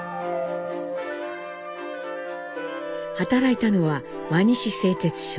働いたのは輪西製鉄所。